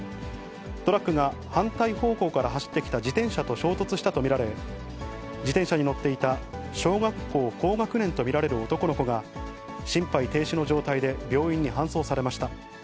トラックが反対方向から走ってきた自転車と衝突したと見られ、自転車に乗っていた小学校高学年と見られる男の子が、心肺停止の状態で病院に搬送されました。